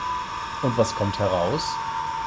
Und was kommt heraus?